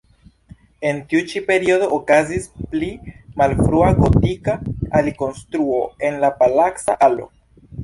En tiu ĉi periodo okazis pli malfrua gotika alikonstruo en la palaca alo.